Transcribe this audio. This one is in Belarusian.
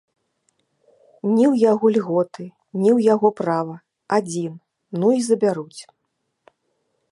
Ні ў яго льготы, ні ў яго права, адзін, ну і забяруць.